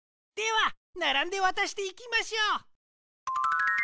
ではならんでわたしていきましょう。